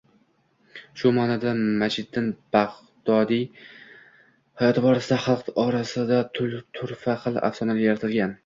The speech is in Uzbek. Shu maʼnoda Majdiddin Bagʻdodiy hayoti borasida xalq orasida turfa xil afsonalar yaratilgan